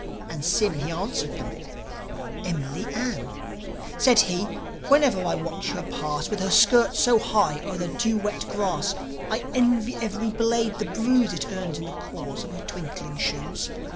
And Sym, he answered them, "Emily Ann." Said he: "Whenever I watch her pass, With her skirts so high o'er the dew wet grass, I envy every blade the bruise It earns in the cause of her twinkling shoes.